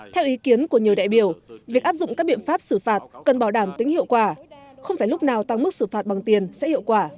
theo ý kiến của nhiều đại biểu việc áp dụng các biện pháp xử phạt cần bảo đảm tính hiệu quả không phải lúc nào tăng mức xử phạt bằng tiền sẽ hiệu quả